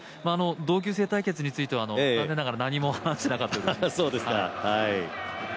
同級生対決については残念ながら何も話していなかったようです。